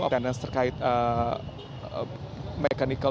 maintenance terkait mekanical